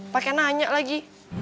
pak kenanya lagi